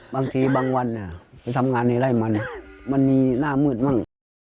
บางทีบางวันไปทำงานในไร่มันมันมีหน้ามืดมั่ง